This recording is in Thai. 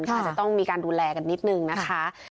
อาจจะต้องมีการดูแลกันนิดนึงนะคะ